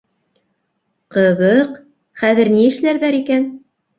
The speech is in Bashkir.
—Ҡы- ҙыҡ, хәҙер ни эшләрҙәр икән!